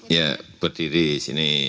ya berdiri sini